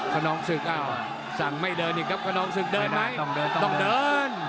ขนองศึกอ้าวสั่งไม่เดินอีกครับขนองศึกเดินไหมต้องเดินต้องเดิน